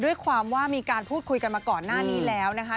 ด้วยความว่ามีการพูดคุยกันมาก่อนหน้านี้แล้วนะคะ